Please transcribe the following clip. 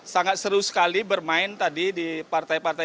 sangat seru sekali bermain tadi di partai partai